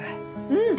うん。